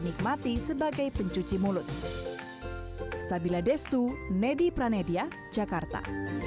nikmati sebagai pencuci mulut sabila destu nedi pranedia jakarta